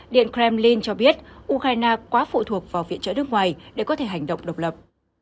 điện kremlin cho biết ukraine quá phụ thuộc vào viện trợ nước ngoài để có thể hành động độc lập